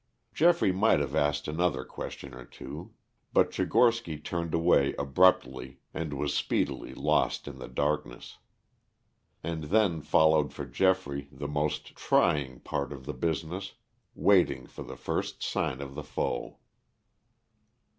Geoffrey might have asked another question or two. But Tchigorsky turned away abruptly and was speedily lost in the darkness. And then followed for Geoffrey the most trying part of the business, waiting for the first sign of the foe.